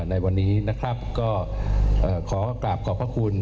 ในวันนี้นะครับก็ขอกราบขอบพระคุณ